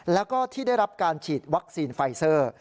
แล้วก็ที่ได้รับการฉีดวัคซีนไฟเซอร์